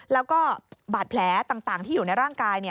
แล้วก็บาดแผลต่างที่อยู่ในร่างกาย